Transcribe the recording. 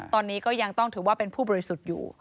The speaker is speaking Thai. ตอนนี้ก็ยังต้องถือว่าเป็นผู้บริสุทธิ์อยู่